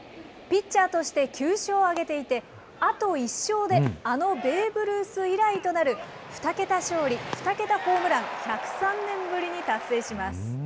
ピッチャーとして９勝を挙げていて、あと１勝で、あのベーブ・ルース以来となる２桁勝利２桁ホームラン、１０３年ぶりに達成します。